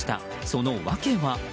その訳は。